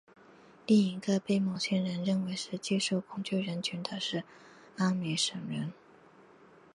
另一个被某些人认为是技术恐惧人群的是阿米什人。